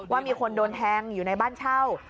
ว่ามีคนโดนแทงอยู่ในบ้านเช่า